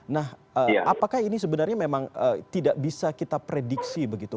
nah apakah ini sebenarnya memang tidak bisa kita prediksi begitu